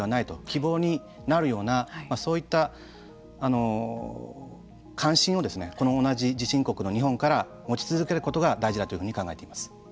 希望になるようなそういった関心をこの同じ地震国の日本から持ち続けることが大事だというふうに考えています。